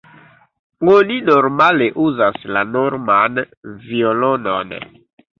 Oni normale uzas la norman violonon.